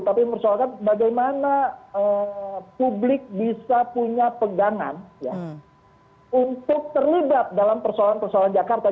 tapi mempersoalkan bagaimana publik bisa punya pegangan untuk terlibat dalam persoalan persoalan jakarta